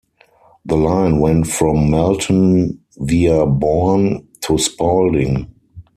The line went from Melton, via Bourne, to Spalding.